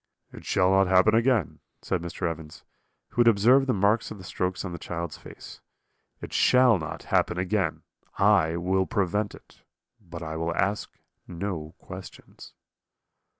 "'It shall not happen again,' said Mr. Evans, who had observed the marks of the strokes on the child's face; 'it shall not happen again; I will prevent it; but I will ask no questions.'